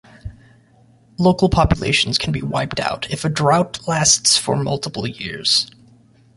Local populations can be wiped out if a drought lasts for multiple years.